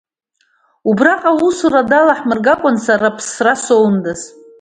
Убраҟа аусура далаҳмыргакәан, сара аԥсра саундаз…